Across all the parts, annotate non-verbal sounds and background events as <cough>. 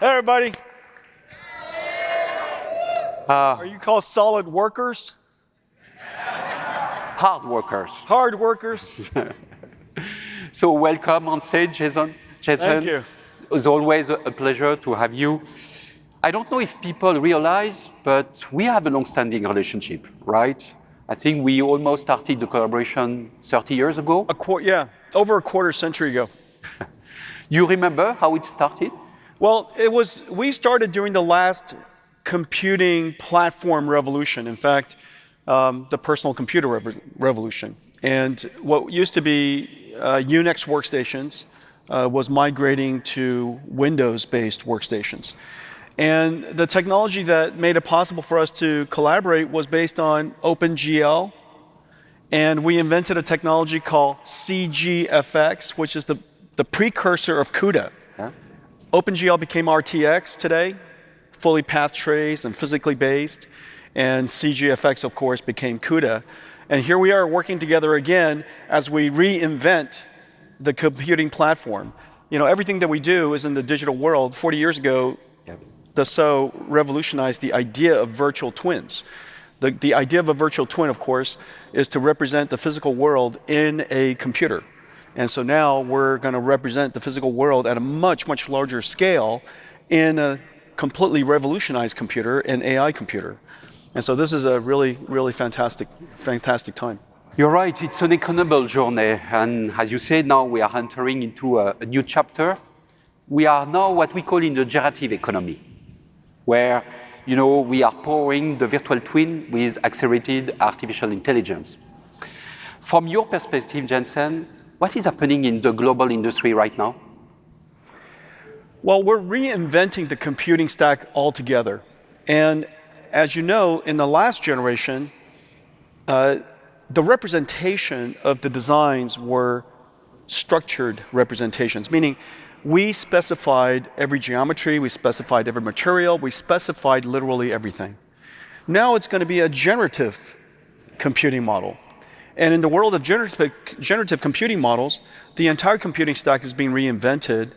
Hey everybody. Are you called SolidWorkers? Hard workers. Hard workers. Welcome on stage, Jensen. Thank you. It's always a pleasure to have you. I don't know if people realize, but we have a longstanding relationship, right? I think we almost started the collaboration 30 years ago. Yeah, over a quarter century ago. You remember how it started? Well, it was we started during the last computing platform revolution, in fact, the personal computer revolution. What used to be Unix workstations was migrating to Windows-based workstations. The technology that made it possible for us to collaborate was based on OpenGL, and we invented a technology called CgFX, which is the precursor of CUDA. OpenGL became RTX today, fully path traced and physically based, and CgFX, of course, became CUDA. Here we are working together again as we reinvent the computing platform. Everything that we do is in the digital world. 40 years ago, the SO revolutionized the idea of virtual twins. The idea of a virtual twin, of course, is to represent the physical world in a computer. Now we're going to represent the physical world at a much, much larger scale in a completely revolutionized computer, an AI computer. This is a really, really fantastic time. You're right. It's an incredible journey. As you say, now we are entering into a new chapter. We are now what we call in the generative economy, where we are powering the virtual twin with accelerated artificial intelligence. From your perspective, Jensen, what is happening in the global industry right now? Well, we're reinventing the computing stack altogether. As you know, in the last generation, the representation of the designs were structured representations, meaning we specified every geometry, we specified every material, we specified literally everything. Now it's going to be a generative computing model. In the world of generative computing models, the entire computing stack is being reinvented.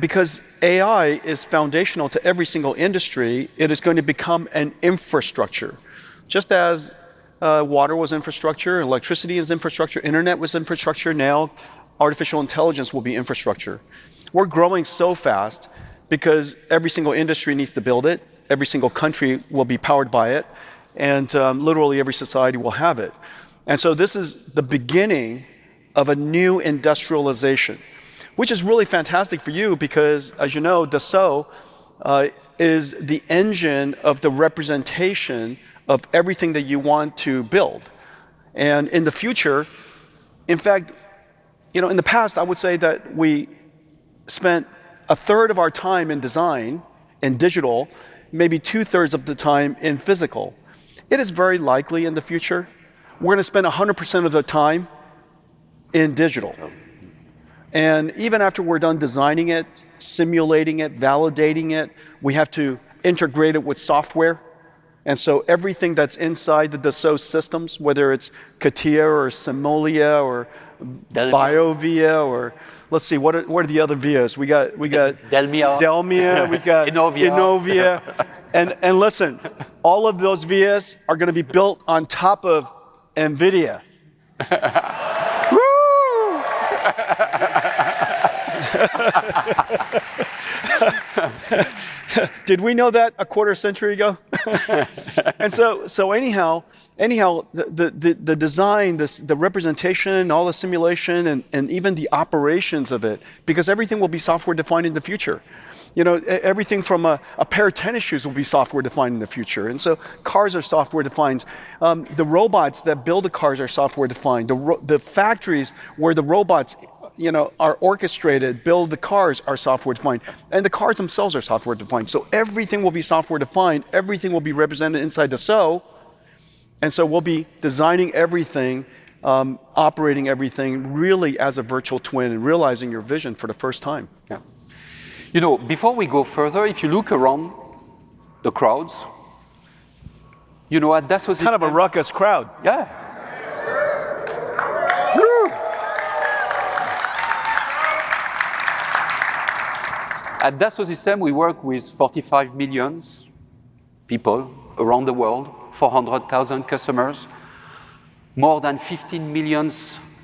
Because AI is foundational to every single industry, it is going to become an infrastructure. Just as water was infrastructure, electricity is infrastructure, internet was infrastructure, now artificial intelligence will be infrastructure. We're growing so fast because every single industry needs to build it, every single country will be powered by it, and literally every society will have it. So this is the beginning of a new industrialization, which is really fantastic for you because, as you know, the SO is the engine of the representation of everything that you want to build. In the future, in fact, in the past, I would say that we spent a third of our time in design, in digital, maybe two-thirds of the time in physical. It is very likely in the future we're going to spend 100% of the time in digital. Even after we're done designing it, simulating it, validating it, we have to integrate it with software. So everything that's inside the SO systems, whether it's CATIA or SIMULIA or BIOVIA or let's see, what are the other Vias? We got DELMIA. DELMIA. DELMIA. <crosstalk> We got ENOVIA. And listen, all of those Vias are going to be built on top of NVIDIA. Did we know that a quarter century ago? And so anyhow, the design, the representation, all the simulation, and even the operations of it, because everything will be software-defined in the future. Everything from a pair of tennis shoes will be software-defined in the future. And so cars are software-defined. The robots that build the cars are software-defined. The factories where the robots are orchestrated, build the cars, are software-defined. And the cars themselves are software-defined. So everything will be software-defined. Everything will be represented inside the SO. And so we'll be designing everything, operating everything really as a Virtual Twin and realizing your vision for the first time. Before we go further, if you look around the crowds, you know at Dassault Systèmes. Kind of a ruckus crowd. Yeah. At Dassault Systèmes, we work with 45 million people around the world, 400,000 customers, more than 15 million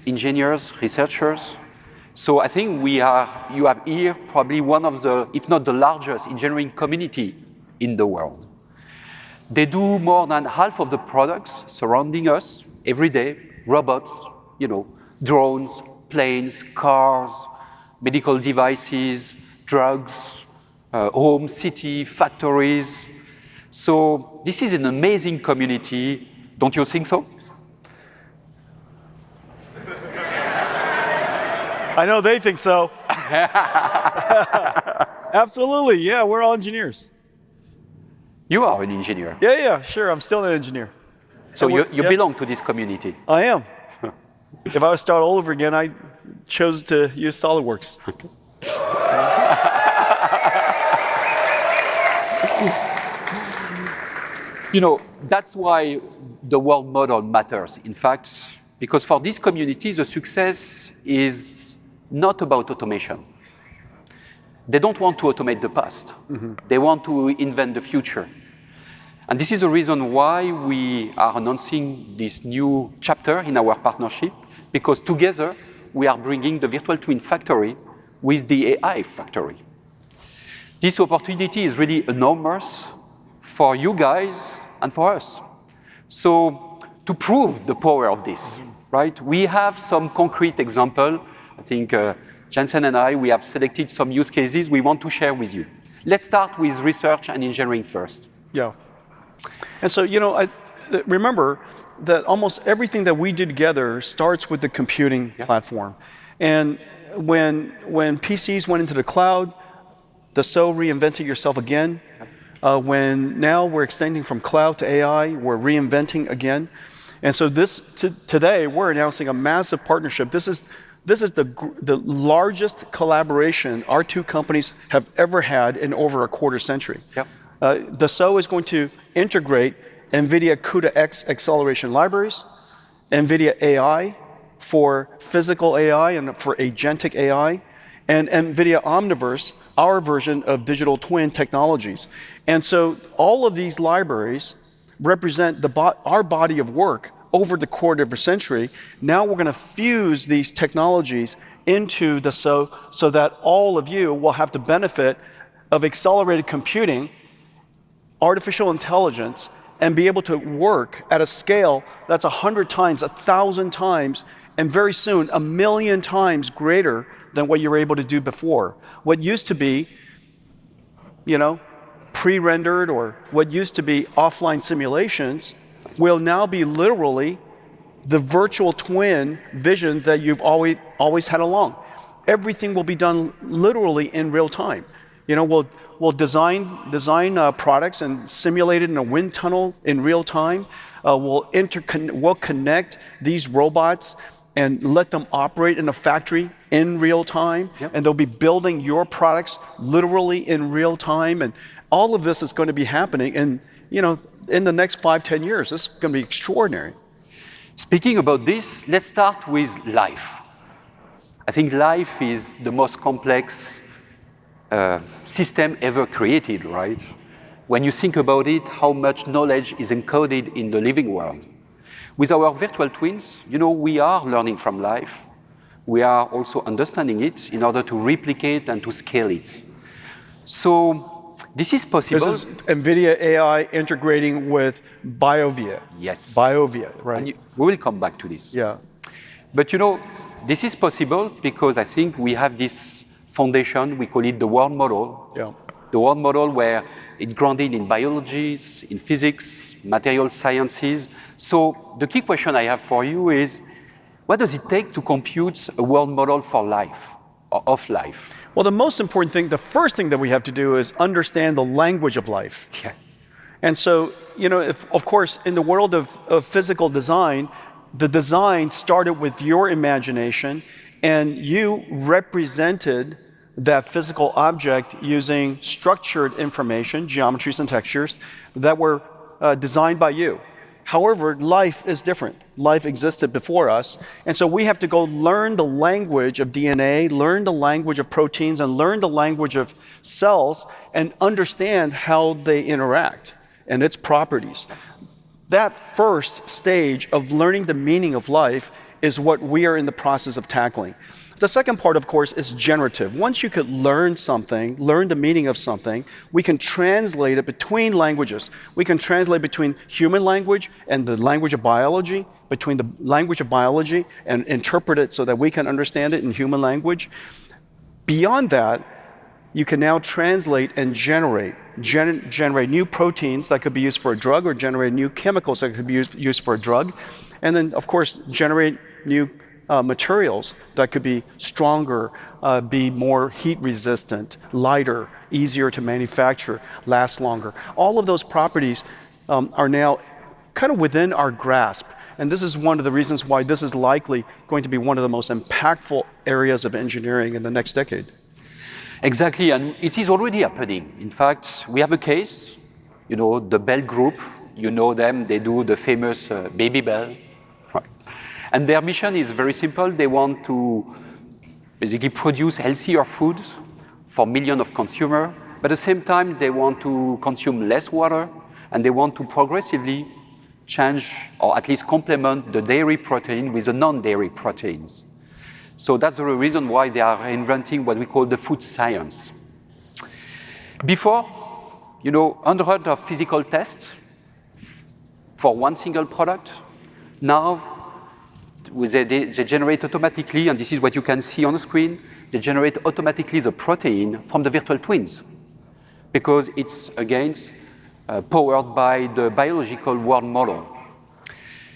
engineers, researchers. So I think you have here probably one of the, if not the largest, engineering community in the world. They do more than half of the products surrounding us every day: robots, drones, planes, cars, medical devices, drugs, homes, cities, factories. So this is an amazing community. Don't you think so? I know they think so. Absolutely. Yeah, we're all engineers. You are an engineer. Yeah, yeah, sure. I'm still an engineer. You belong to this community. I am. If I would start all over again, I chose to use SOLIDWORKS. That's why the world model matters, in fact, because for this community, the success is not about automation. They don't want to automate the past. They want to invent the future. And this is the reason why we are announcing this new chapter in our partnership, because together we are bringing the virtual twin factory with the AI factory. This opportunity is really enormous for you guys and for us. So to prove the power of this, we have some concrete examples. I think Jensen and I, we have selected some use cases we want to share with you. Let's start with research and engineering first. Yeah. And so remember that almost everything that we did together starts with the computing platform. And when PCs went into the cloud, the SO reinvented itself again. And now we're extending from cloud to AI, we're reinventing again. And so today we're announcing a massive partnership. This is the largest collaboration our two companies have ever had in over a quarter century. The SO is going to integrate NVIDIA CUDA-X acceleration libraries, NVIDIA AI for physical AI and for agentic AI, and NVIDIA Omniverse, our version of digital twin technologies. And so all of these libraries represent our body of work over the quarter of a century. Now we're going to fuse these technologies into the SO so that all of you will have to benefit of accelerated computing, artificial intelligence, and be able to work at a scale that's 100 times, 1,000 times, and very soon a million times greater than what you were able to do before. What used to be pre-rendered or what used to be offline simulations will now be literally the virtual twin vision that you've always had along. Everything will be done literally in real time. We'll design products and simulate it in a wind tunnel in real time. We'll connect these robots and let them operate in a factory in real time, and they'll be building your products literally in real time. All of this is going to be happening in the next five, 10 years. This is going to be extraordinary. Speaking about this, let's start with life. I think life is the most complex system ever created. When you think about it, how much knowledge is encoded in the living world? With our virtual twins, we are learning from life. We are also understanding it in order to replicate and to scale it. So this is possible. This is NVIDIA AI integrating with BIOVIA. Yes. BIOVIA. We will come back to this. Yeah. But this is possible because I think we have this foundation. We call it the World Model. The World Model where it grounded in biologies, in physics, material sciences. So the key question I have for you is, what does it take to compute a World Model for life, of life? Well, the most important thing, the first thing that we have to do is understand the language of life. And so, of course, in the world of physical design, the design started with your imagination, and you represented that physical object using structured information, geometries, and textures that were designed by you. However, life is different. Life existed before us. And so we have to go learn the language of DNA, learn the language of proteins, and learn the language of cells and understand how they interact and its properties. That first stage of learning the meaning of life is what we are in the process of tackling. The second part, of course, is generative. Once you could learn something, learn the meaning of something, we can translate it between languages. We can translate between human language and the language of biology, between the language of biology, and interpret it so that we can understand it in human language. Beyond that, you can now translate and generate new proteins that could be used for a drug or generate new chemicals that could be used for a drug. And then, of course, generate new materials that could be stronger, be more heat resistant, lighter, easier to manufacture, last longer. All of those properties are now kind of within our grasp. And this is one of the reasons why this is likely going to be one of the most impactful areas of engineering in the next decade. Exactly. It is already happening. In fact, we have a case, the Bel Group. You know them. They do the famous Babybel. Their mission is very simple. They want to basically produce healthier foods for millions of consumers. But at the same time, they want to consume less water, and they want to progressively change or at least complement the dairy protein with the non-dairy proteins. So that's the reason why they are reinventing what we call the food science. Before, hundreds of physical tests for one single product. Now they generate automatically, and this is what you can see on the screen, they generate automatically the protein from the virtual twins because it's, again, powered by the biological world model.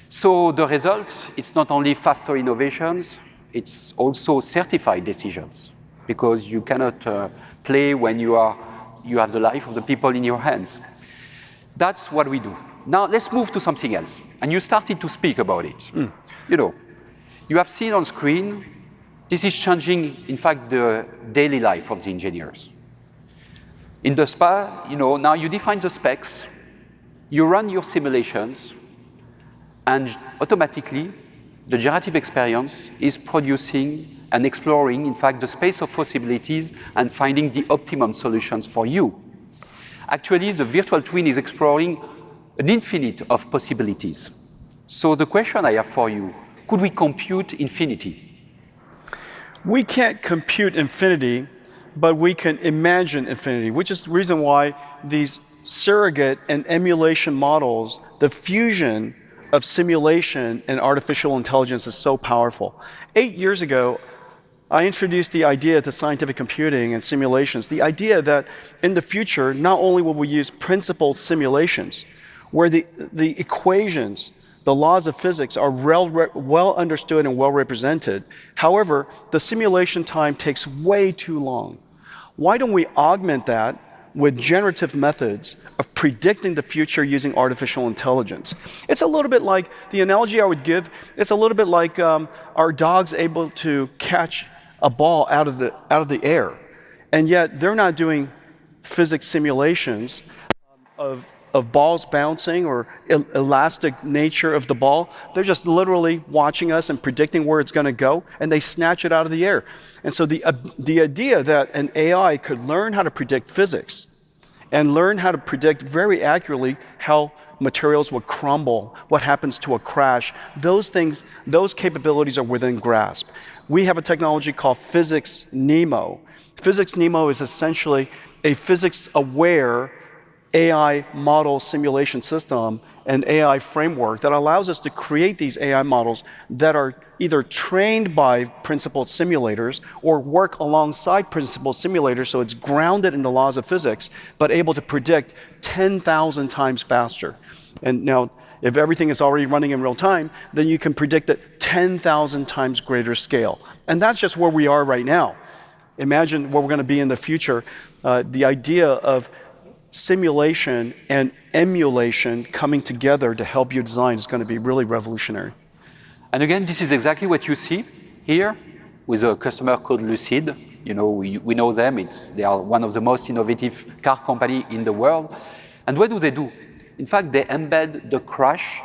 So the result, it's not only faster innovations, it's also certified decisions because you cannot play when you have the life of the people in your hands. That's what we do. Now let's move to something else. You started to speak about it. You have seen on screen, this is changing, in fact, the daily life of the engineers. In the space, now you define the specs, you run your simulations, and automatically the generative experience is producing and exploring, in fact, the space of possibilities and finding the optimum solutions for you. Actually, the Virtual Twin is exploring an infinite of possibilities. So the question I have for you, could we compute infinity? We can't compute infinity, but we can imagine infinity, which is the reason why these surrogate and emulation models, the fusion of simulation and artificial intelligence is so powerful. years ago, I introduced the idea to scientific computing and simulations, the idea that in the future, not only will we use principled simulations where the equations, the laws of physics are well understood and well represented, however, the simulation time takes way too long. Why don't we augment that with generative methods of predicting the future using artificial intelligence? It's a little bit like the analogy I would give. It's a little bit like our dogs able to catch a ball out of the air. And yet they're not doing physics simulations of balls bouncing or elastic nature of the ball. They're just literally watching us and predicting where it's going to go, and they snatch it out of the air. And so the idea that an AI could learn how to predict physics and learn how to predict very accurately how materials would crumble, what happens to a crash, those capabilities are within grasp. We have a technology called PhysicsNeMo. PhysicsNeMo is essentially a physics-aware AI model simulation system and AI framework that allows us to create these AI models that are either trained by principled simulators or work alongside principled simulators. So it's grounded in the laws of physics, but able to predict 10,000 times faster. And now if everything is already running in real time, then you can predict at 10,000 times greater scale. And that's just where we are right now. Imagine where we're going to be in the future. The idea of simulation and emulation coming together to help you design is going to be really revolutionary. Again, this is exactly what you see here with a customer called Lucid. We know them. They are one of the most innovative car companies in the world. And what do they do? In fact, they embed the crash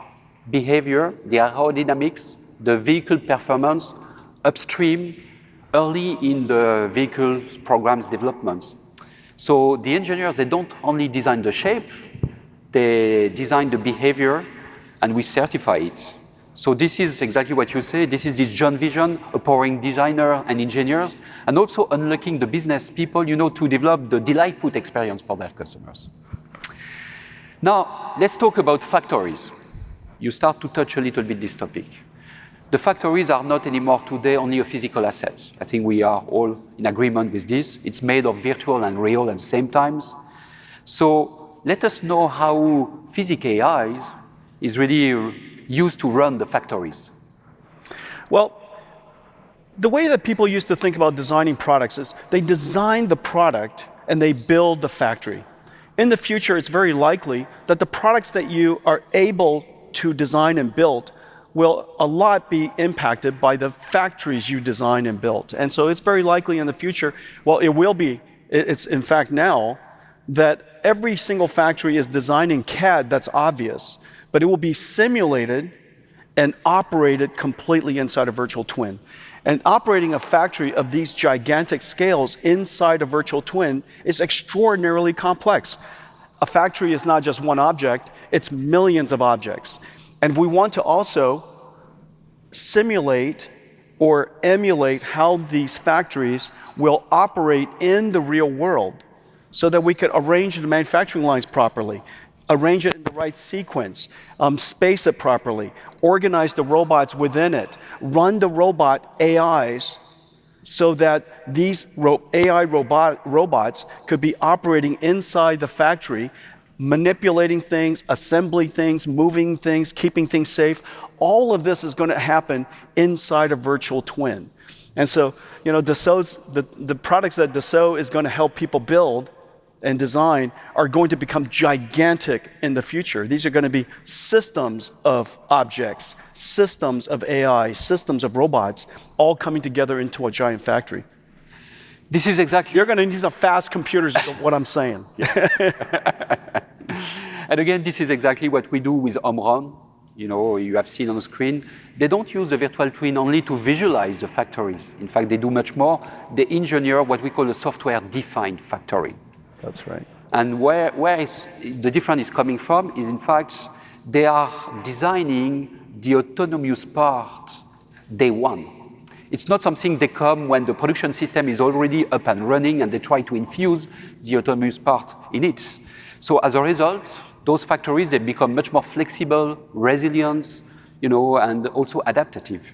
behavior, the aerodynamics, the vehicle performance upstream, early in the vehicle program's development. So the engineers, they don't only design the shape, they design the behavior, and we certify it. So this is exactly what you say. This is this joint vision, appointing designers and engineers and also unlocking the business people to develop the delightful experience for their customers. Now let's talk about factories. You start to touch a little bit this topic. The factories are not anymore today only a physical asset. I think we are all in agreement with this. It's made of virtual and real at the same time. Let us know how physical AI is really used to run the factories. Well, the way that people used to think about designing products is they design the product and they build the factory. In the future, it's very likely that the products that you are able to design and build will a lot be impacted by the factories you design and build. And so it's very likely in the future, well, it will be, it's in fact now, that every single factory is designing CAD. That's obvious. But it will be simulated and operated completely inside a Virtual Twin. And operating a factory of these gigantic scales inside a Virtual Twin is extraordinarily complex. A factory is not just one object. It's millions of objects. We want to also simulate or emulate how these factories will operate in the real world so that we could arrange the manufacturing lines properly, arrange it in the right sequence, space it properly, organize the robots within it, run the robot AIs so that these AI robots could be operating inside the factory, manipulating things, assembling things, moving things, keeping things safe. All of this is going to happen inside a virtual twin. So the products that the SO is going to help people build and design are going to become gigantic in the future. These are going to be systems of objects, systems of AI, systems of robots, all coming together into a giant factory. This is exactly. You're going to need some fast computers, is what I'm saying. And again, this is exactly what we do with OMRON. You have seen on the screen. They don't use the Virtual Twin only to visualize the factories. In fact, they do much more. They engineer what we call a software-defined factory. That's right. Where the difference is coming from is, in fact, they are designing the autonomous part day one. It's not something they come when the production system is already up and running and they try to infuse the autonomous part in it. So as a result, those factories, they become much more flexible, resilient, and also adaptive.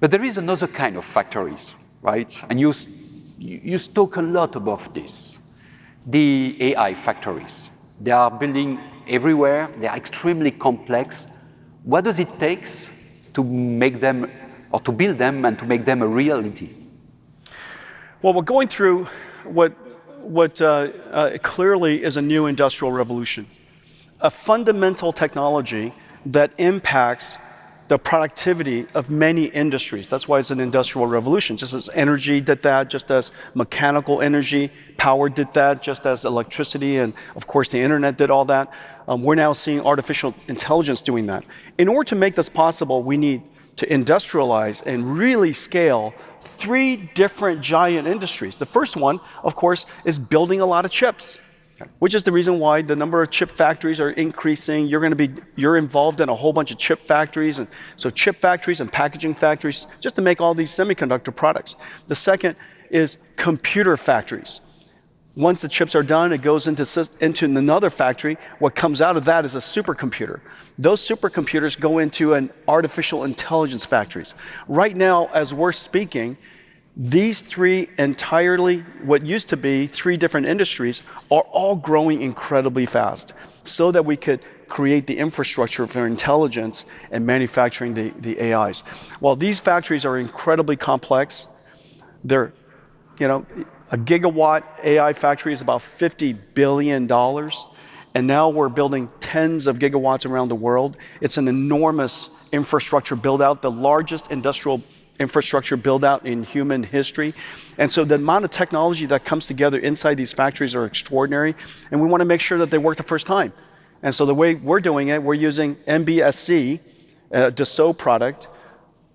But there is another kind of factories. You spoke a lot about this, the AI factories. They are building everywhere. They are extremely complex. What does it take to make them or to build them and to make them a reality? Well, we're going through what clearly is a new industrial revolution, a fundamental technology that impacts the productivity of many industries. That's why it's an industrial revolution. Just as energy did that, just as mechanical energy power did that, just as electricity and, of course, the internet did all that. We're now seeing artificial intelligence doing that. In order to make this possible, we need to industrialize and really scale three different giant industries. The first one, of course, is building a lot of chips, which is the reason why the number of chip factories is increasing. You're going to be, you're involved in a whole bunch of chip factories. And so chip factories and packaging factories just to make all these semiconductor products. The second is computer factories. Once the chips are done, it goes into another factory. What comes out of that is a supercomputer. Those supercomputers go into artificial intelligence factories. Right now, as we're speaking, these three entirely, what used to be three different industries, are all growing incredibly fast so that we could create the infrastructure for intelligence and manufacturing the AIs. While these factories are incredibly complex, a gigawatt AI factory is about $50 billion. Now we're building tens of gigawatts around the world. It's an enormous infrastructure buildout, the largest industrial infrastructure buildout in human history. So the amount of technology that comes together inside these factories is extraordinary. We want to make sure that they work the first time. So the way we're doing it, we're using MBSE, the SO product,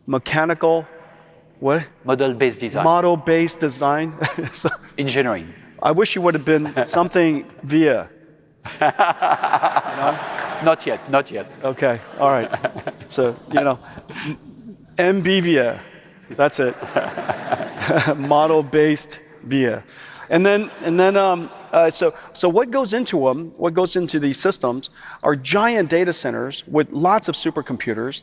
mechanical. What? Model-based design. Model-based design. Engineering. I wish it would have been something VIA. Not yet. Not yet. Okay. All right. So BIOVIA, that's it. Model-based VIA. And then so what goes into them, what goes into these systems are giant data centers with lots of supercomputers.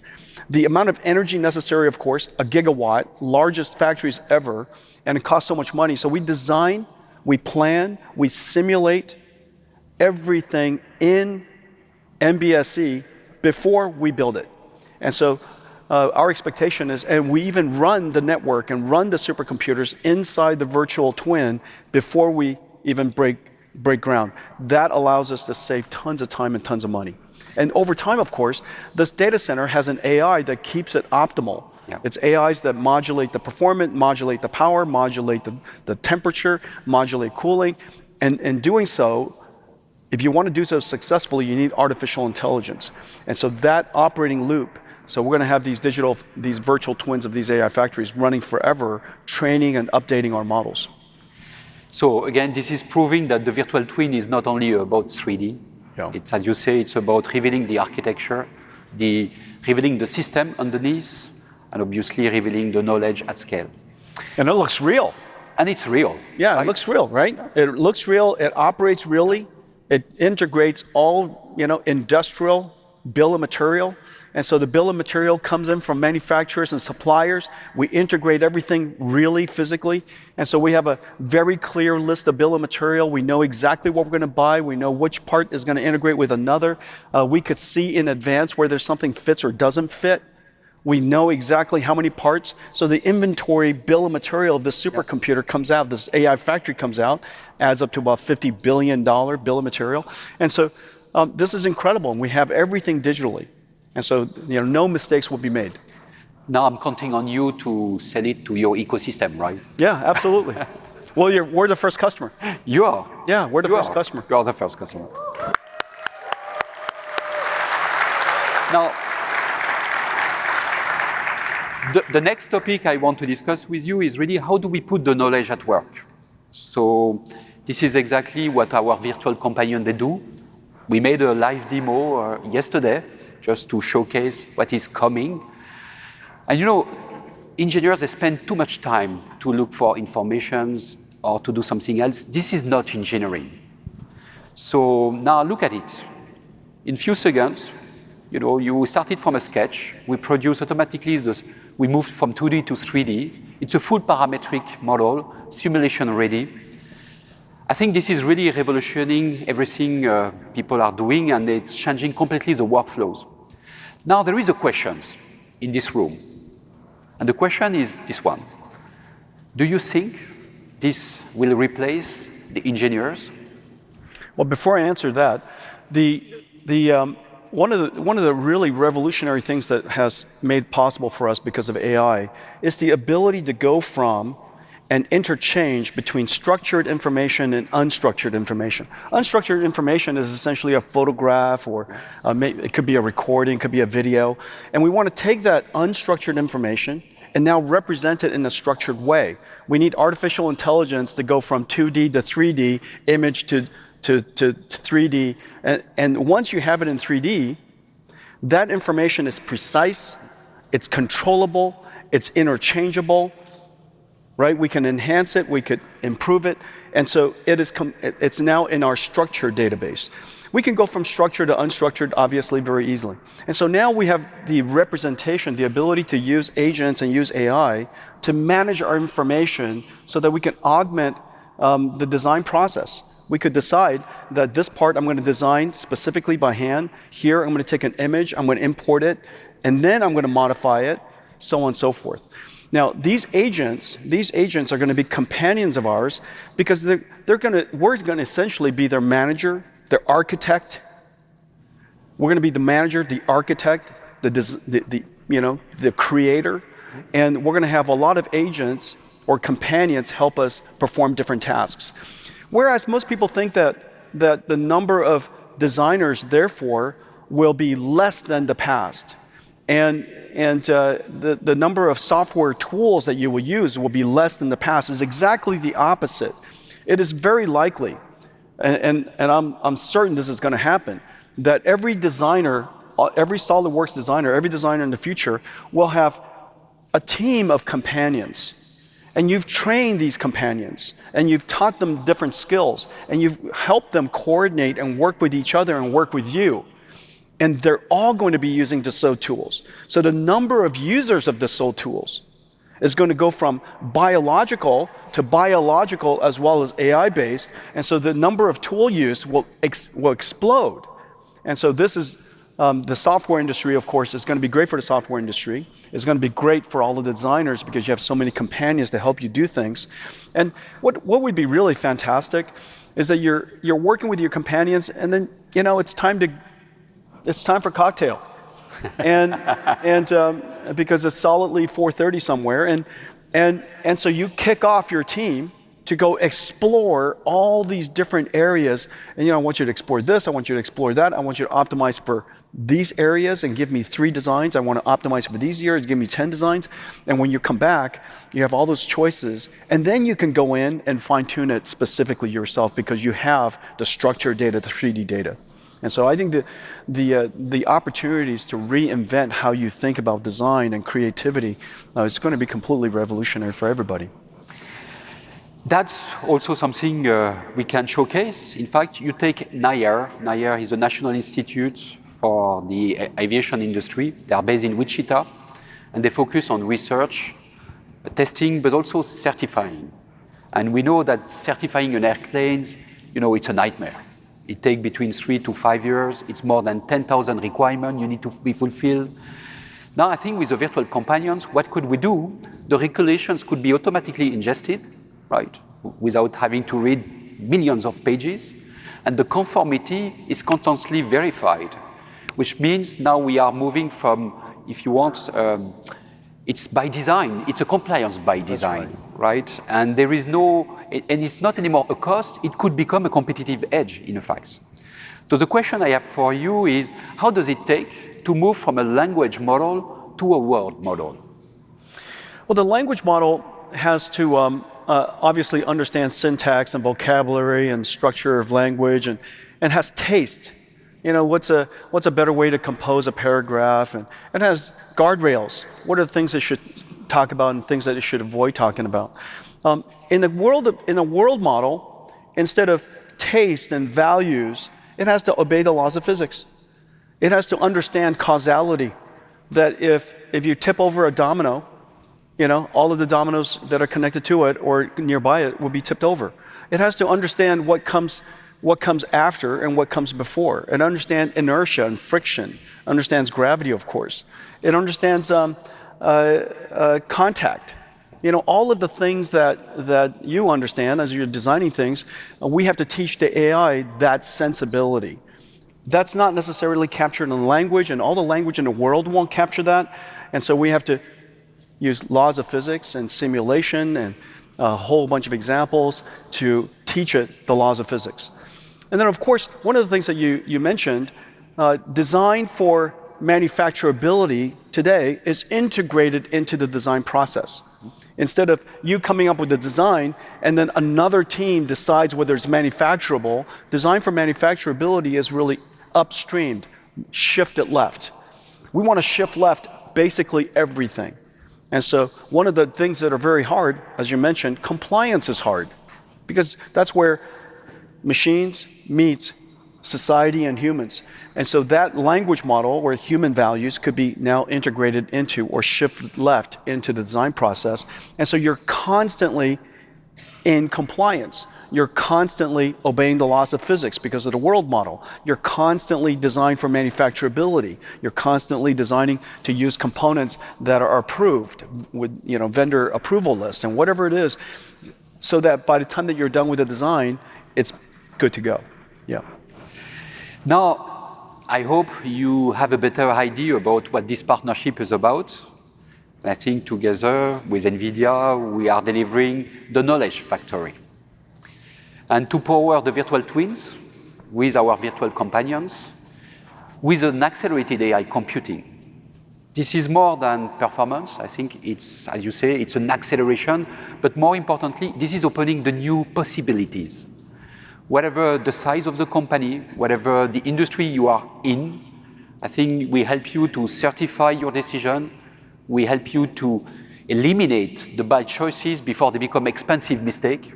The amount of energy necessary, of course, 1 gigawatt, largest factories ever, and it costs so much money. So we design, we plan, we simulate everything in MBSE before we build it. And so our expectation is, and we even run the network and run the supercomputers inside the virtual twin before we even break ground. That allows us to save tons of time and tons of money. And over time, of course, this data center has an AI that keeps it optimal. It's AIs that modulate the performance, modulate the power, modulate the temperature, modulate cooling. And in doing so, if you want to do so successfully, you need artificial intelligence. And so that operating loop, so we're going to have these digital, these virtual twins of these AI factories running forever, training and updating our models. So again, this is proving that the Virtual Twin is not only about 3D. It's, as you say, it's about revealing the architecture, revealing the system underneath, and obviously revealing the knowledge at scale. It looks real. It's real. Yeah, it looks real, right? It looks real. It operates really. It integrates all industrial bill of material. And so the bill of material comes in from manufacturers and suppliers. We integrate everything really physically. And so we have a very clear list of bill of material. We know exactly what we're going to buy. We know which part is going to integrate with another. We could see in advance where there's something that fits or doesn't fit. We know exactly how many parts. So the inventory bill of material of this supercomputer comes out, this AI factory comes out, adds up to about $50 billion bill of material. And so this is incredible. And we have everything digitally. And so no mistakes will be made. Now I'm counting on you to sell it to your ecosystem, right? Yeah, absolutely. Well, we're the first customer. You are? Yeah, we're the first customer. You are the first customer. Now, the next topic I want to discuss with you is really how do we put the knowledge at work? So this is exactly what our virtual companions do. We made a live demo yesterday just to showcase what is coming. And you know engineers, they spend too much time to look for information or to do something else. This is not engineering. So now look at it. In a few seconds, you started from a sketch. We produce automatically, we moved from 2D to 3D. It's a full parametric model, simulation ready. I think this is really revolutionizing everything people are doing, and it's changing completely the workflows. Now, there are questions in this room. The question is this one. Do you think this will replace the engineers? Well, before I answer that, one of the really revolutionary things that has made possible for us because of AI is the ability to go from an interchange between structured information and unstructured information. Unstructured information is essentially a photograph, or it could be a recording, it could be a video. And we want to take that unstructured information and now represent it in a structured way. We need artificial intelligence to go from 2D to 3D, image to 3D. And once you have it in 3D, that information is precise, it's controllable, it's interchangeable. We can enhance it, we could improve it. And so it's now in our structured database. We can go from structured to unstructured, obviously, very easily. And so now we have the representation, the ability to use agents and use AI to manage our information so that we can augment the design process. We could decide that this part, I'm going to design specifically by hand here. I'm going to take an image, I'm going to import it, and then I'm going to modify it, so on and so forth. Now, these agents, these agents are going to be companions of ours because they're going to; we're going to essentially be their manager, their architect. We're going to be the manager, the architect, the creator. And we're going to have a lot of agents or companions help us perform different tasks. Whereas most people think that the number of designers, therefore, will be less than the past. And the number of software tools that you will use will be less than the past is exactly the opposite. It is very likely, and I'm certain this is going to happen, that every designer, every SOLIDWORKS designer, every designer in the future will have a team of companions. And you've trained these companions, and you've taught them different skills, and you've helped them coordinate and work with each other and work with you. And they're all going to be using the SO tools. So the number of users of the SO tools is going to go from biological to biological as well as AI-based. And so the number of tool use will explode. And so this is the software industry, of course, is going to be great for the software industry, is going to be great for all the designers because you have so many companions to help you do things. What would be really fantastic is that you're working with your companions, and then it's time for cocktail. Because it's solidly 4:30 P.M. somewhere, and so you kick off your team to go explore all these different areas. I want you to explore this, I want you to explore that, I want you to optimize for these areas and give me three designs. I want to optimize for these areas, give me 10 designs. When you come back, you have all those choices. Then you can go in and fine-tune it specifically yourself because you have the structured data, the 3D data. So I think the opportunities to reinvent how you think about design and creativity, it's going to be completely revolutionary for everybody. That's also something we can showcase. In fact, you take NIAR. NIAR is the National Institute for Aviation Research. They're based in Wichita. They focus on research, testing, but also certifying. We know that certifying an airplane, it's a nightmare. It takes between 3-5 years. It's more than 10,000 requirements you need to be fulfilled. Now, I think with the virtual companions, what could we do? The regulations could be automatically ingested without having to read millions of pages. The conformity is constantly verified, which means now we are moving from, if you want, it's by design, it's a compliance by design. There is no, and it's not anymore a cost. It could become a competitive edge, in fact. So the question I have for you is, how does it take to move from a language model to a world model? Well, the language model has to obviously understand syntax and vocabulary and structure of language and has taste. What's a better way to compose a paragraph? And it has guardrails. What are the things it should talk about and things that it should avoid talking about? In the world model, instead of taste and values, it has to obey the laws of physics. It has to understand causality, that if you tip over a domino, all of the dominos that are connected to it or nearby it will be tipped over. It has to understand what comes after and what comes before and understand inertia and friction, understands gravity, of course. It understands contact. All of the things that you understand as you're designing things, we have to teach the AI that sensibility. That's not necessarily captured in language, and all the language in the world won't capture that. We have to use laws of physics and simulation and a whole bunch of examples to teach it the laws of physics. Then, of course, one of the things that you mentioned, design for manufacturability today is integrated into the design process. Instead of you coming up with the design and then another team decides whether it's manufacturable, design for manufacturability is really upstream, shift it left. We want to shift left basically everything. One of the things that are very hard, as you mentioned, compliance is hard because that's where machines meet society and humans. That language model where human values could be now integrated into or shifted left into the design process. You're constantly in compliance. You're constantly obeying the laws of physics because of the world model. You're constantly designed for manufacturability. You're constantly designing to use components that are approved with vendor approval list and whatever it is so that by the time that you're done with the design, it's good to go. Now, I hope you have a better idea about what this partnership is about. I think together with NVIDIA, we are delivering the knowledge factory. And to power the virtual twins with our virtual companions, with an accelerated AI computing, this is more than performance. I think it's, as you say, it's an acceleration. But more importantly, this is opening the new possibilities. Whatever the size of the company, whatever the industry you are in, I think we help you to certify your decision. We help you to eliminate the bad choices before they become expensive mistakes.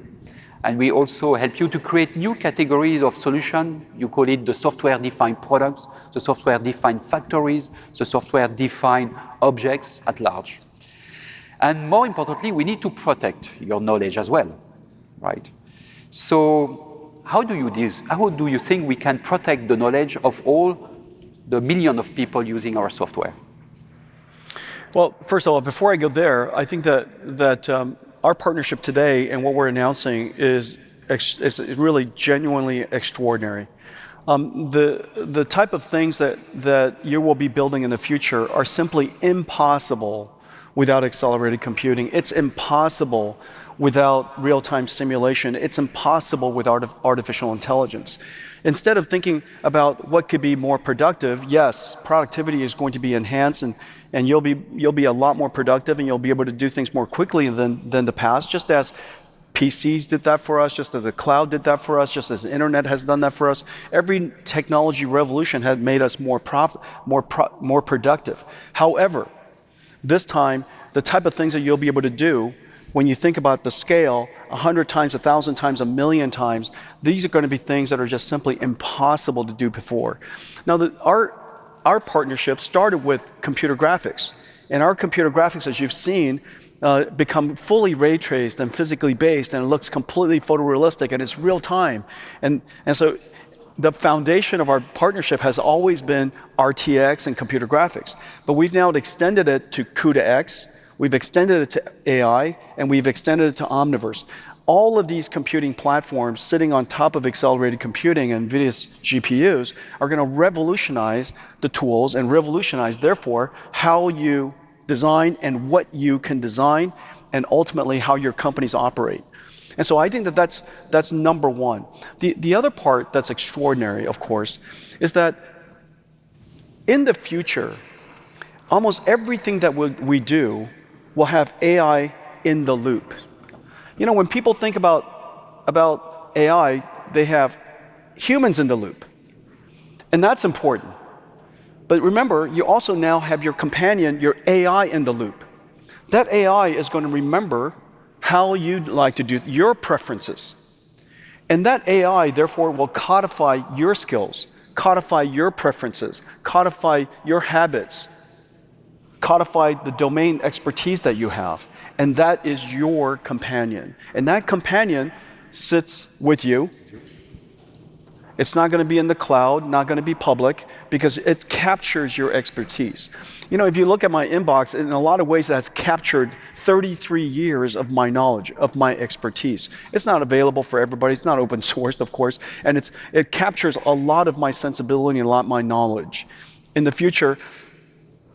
And we also help you to create new categories of solutions. You call it the software-defined products, the software-defined factories, the software-defined objects at large. And more importantly, we need to protect your knowledge as well. So how do you do this? How do you think we can protect the knowledge of all the millions of people using our software? Well, first of all, before I go there, I think that our partnership today and what we're announcing is really genuinely extraordinary. The type of things that you will be building in the future are simply impossible without accelerated computing. It's impossible without real-time simulation. It's impossible without artificial intelligence. Instead of thinking about what could be more productive, yes, productivity is going to be enhanced and you'll be a lot more productive and you'll be able to do things more quickly than the past. Just as PCs did that for us, just as the cloud did that for us, just as the internet has done that for us, every technology revolution had made us more productive. However, this time, the type of things that you'll be able to do when you think about the scale, 100 times, 1,000 times, 1,000,000 times, these are going to be things that are just simply impossible to do before. Now, our partnership started with computer graphics. Our computer graphics, as you've seen, become fully ray traced and physically based and it looks completely photorealistic and it's real-time. So the foundation of our partnership has always been RTX and computer graphics. But we've now extended it to CUDA-X, we've extended it to AI, and we've extended it to Omniverse. All of these computing platforms sitting on top of accelerated computing and NVIDIA's GPUs are going to revolutionize the tools and revolutionize, therefore, how you design and what you can design and ultimately how your companies operate. So I think that that's number one. The other part that's extraordinary, of course, is that in the future, almost everything that we do will have AI in the loop. When people think about AI, they have humans in the loop. That's important. Remember, you also now have your companion, your AI in the loop. That AI is going to remember how you'd like to do, your preferences. That AI, therefore, will codify your skills, codify your preferences, codify your habits, codify the domain expertise that you have. That is your companion. That companion sits with you. It's not going to be in the cloud, not going to be public because it captures your expertise. If you look at my inbox, in a lot of ways, that's captured 33 years of my knowledge, of my expertise. It's not available for everybody. It's not open-sourced, of course. It captures a lot of my sensibility and a lot of my knowledge. In the future,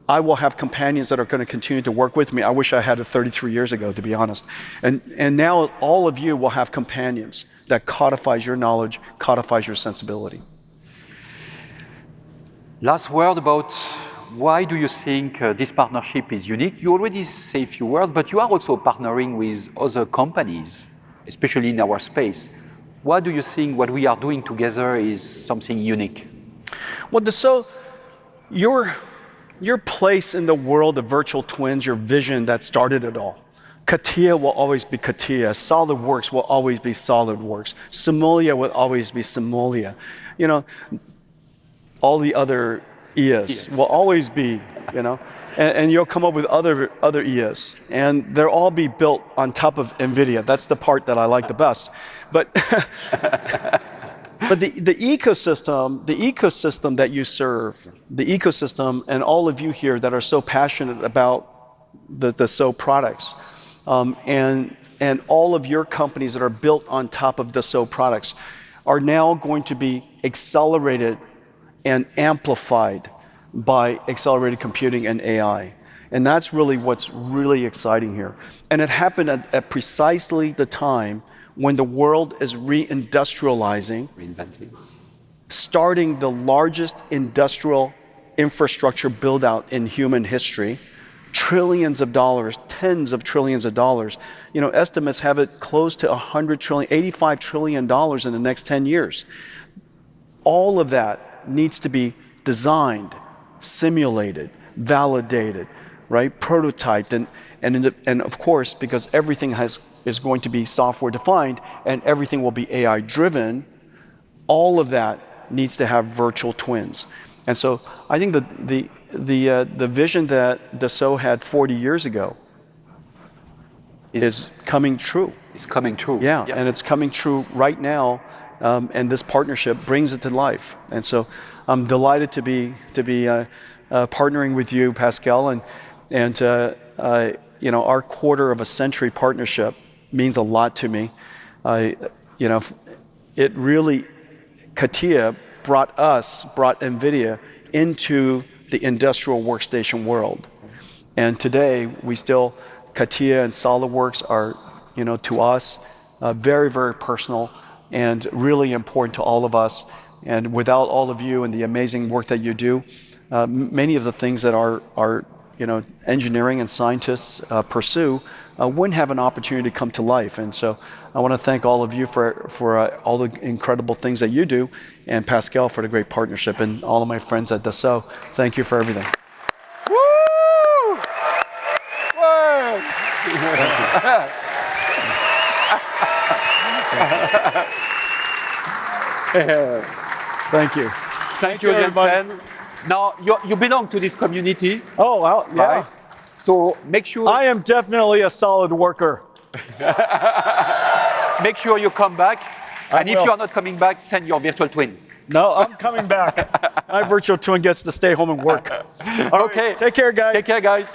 I will have companions that are going to continue to work with me. I wish I had it 33 years ago, to be honest. And now all of you will have companions that codify your knowledge, codify your sensibility. Last word about why do you think this partnership is unique? You already said a few words, but you are also partnering with other companies, especially in our space. Why do you think what we are doing together is something unique? Well, the SO, your place in the world of virtual twins, your vision that started it all, CATIA will always be CATIA. SOLIDWORKS will always be SOLIDWORKS. SIMULIA will always be SIMULIA. All the other IAs will always be, and you'll come up with other IAs. And they'll all be built on top of NVIDIA. That's the part that I like the best. But the ecosystem, the ecosystem that you serve, the ecosystem, and all of you here that are so passionate about the SO products, and all of your companies that are built on top of the SO products are now going to be accelerated and amplified by accelerated computing and AI. And that's really what's really exciting here. And it happened at precisely the time when the world is reindustrializing, starting the largest industrial infrastructure buildout in human history, $ trillions, tens of $ trillions. Estimates have it close to $100 trillion, $85 trillion in the next 10 years. All of that needs to be designed, simulated, validated, prototyped. And of course, because everything is going to be software-defined and everything will be AI-driven, all of that needs to have virtual twins. And so I think the vision that the SO had 40 years ago is coming true. It's coming true. Yeah. And it's coming true right now. And this partnership brings it to life. And so I'm delighted to be partnering with you, Pascal. And our quarter of a century partnership means a lot to me. CATIA brought us, brought NVIDIA into the industrial workstation world. And today, we still, CATIA and SOLIDWORKS are to us very, very personal and really important to all of us. And without all of you and the amazing work that you do, many of the things that our engineering and scientists pursue wouldn't have an opportunity to come to life. And so I want to thank all of you for all the incredible things that you do and Pascal for the great partnership and all of my friends at the SO. Thank you for everything. Thank you. Thank you again, Jensen. Now, you belong to this community. Oh, wow. Yeah. Make sure. I am definitely a SolidWorker. Make sure you come back. If you are not coming back, send your virtual twin. No, I'm coming back. My Virtual Twin gets to stay home and work. Take care, guys. Take care, guys.